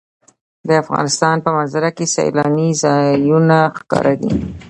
د افغانستان په منظره کې سیلاني ځایونه ښکاره دي.